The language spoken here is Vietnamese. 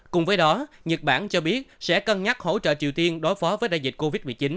cùng với đó nhật bản cho biết sẽ cân nhắc hỗ trợ triều tiên đối phó với đại dịch covid một mươi chín